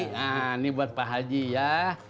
nah ini buat pak haji ya